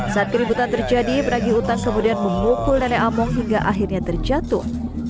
saat keributan terjadi penagih utang kemudian memukul nenek among hingga akhirnya terjatuh